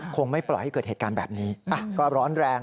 คงไม่ปล่อยให้เกิดเหตุการณ์แบบนี้ก็ร้อนแรง